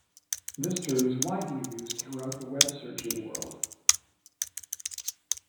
This term is widely used throughout the web searching world.